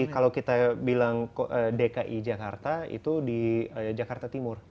kalau kita bilang dki jakarta itu di jakarta timur